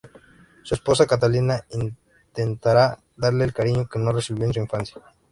Su esposa, Catalina, intentará darle el cariño que no recibió en su infancia.